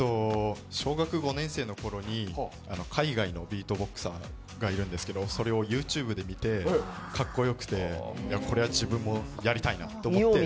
小学５年生のころに海外のビートボクサーがいるんですけど、それをＹｏｕＴｕｂｅで見て、かっこよくて、これは自分もやりたいなと思って。